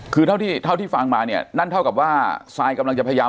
คือเท่าที่ฟังมาเนี่ยนั่นเท่ากับว่าซายกำลังจะพยายาม